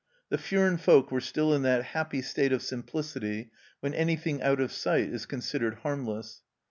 The Furnes folk were still in that happy state of simplicity when anything out of sight is considered harmless.